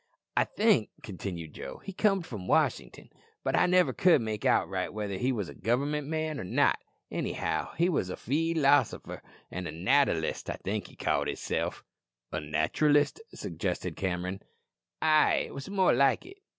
"I think," continued Joe, "he comed from Washington, but I never could make out right whether he wos a Government man or not. Anyhow, he wos a pheelosopher a natter list I think he call his self " "A naturalist," suggested Cameron. "Ay, that wos more like it.